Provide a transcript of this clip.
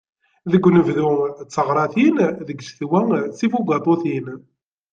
Deg unebdu, d taɣratin. Deg ccetwa, d tibugaṭutin.